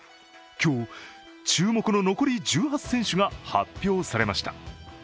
今日、注目の残り１８選手が発表されました。